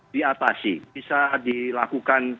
diatasi bisa dilakukan